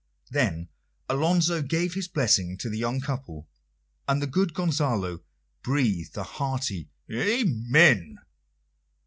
Then Alonso gave his blessing to the young couple, and the good Gonzalo breathed a hearty "Amen!"